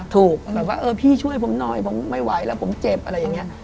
แบบว่าเออพี่ช่วยผมหน่อยผมไม่ไหวแล้วผมเจ็บอะไรอย่างนี้